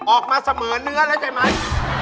ออกมาเสมือนเนื้อแล้วทริปร้อน